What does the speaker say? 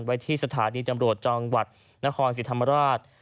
ไว้ที่สถานีจำรวจจังหวัดนครศรีธรรมราช